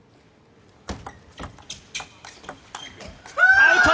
アウト！